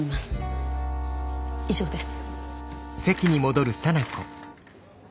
以上です。